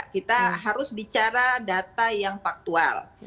kita harus bicara data yang faktual